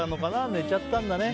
寝ちゃったんだね。